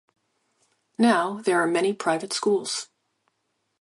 Now there are many private schools.